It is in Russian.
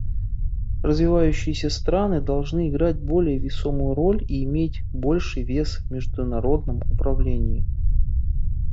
Развивающиеся страны должны играть более весомую роль и иметь больший вес в международном управлении.